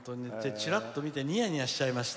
ちらっと見てニヤニヤしちゃいました。